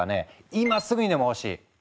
今すぐにでも欲しい。